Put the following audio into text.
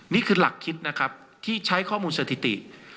นี่คือหลักคิดนะครับที่ใช้ข้อมูลสถิติ